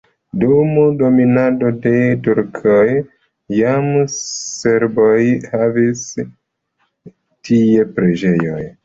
Dum dominado de turkoj jam serboj havis tie preĝejon.